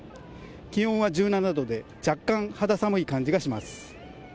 気温は１７度で、若干肌寒い感じがします。